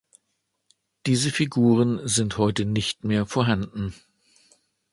Diese Figuren sind heute nicht mehr vorhanden.